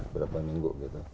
berapa minggu gitu